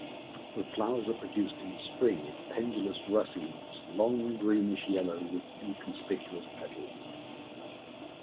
The flowers are produced in spring in pendulous racemes long, greenish-yellow with inconspicuous petals.